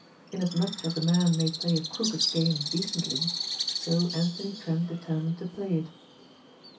Inasmuch as a man may play a crooked game decently, so Anthony Trent determined to play it.